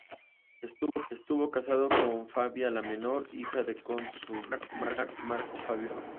Estuvo casado con Fabia la Menor, hija del consular Marco Fabio Ambusto.